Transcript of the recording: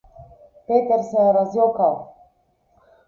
Peter se je razjokal.